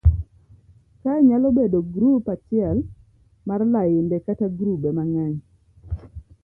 Kae nyalo bedo grup achiel mar lainde kata grube mang'eny